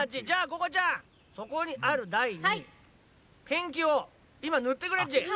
じゃあここちゃんそこにあるだいにペンキをいまぬってくれっち。